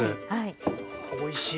おいしい。